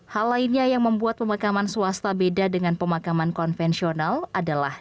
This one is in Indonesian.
hal lainnya yang membuat pemakaman swasta beda dengan pemakaman konvensional adalah